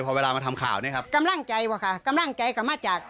พอเวลามาทำข่าวเนี้ยครับกำลังใจว่ะค่ะกำลังใจกลับมาจาก